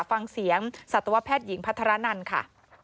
ฟังเสียงสัตวแพทย์หญิงพัทรนันค่ะ